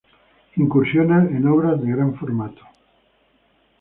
Incursiona en obras de gran formato.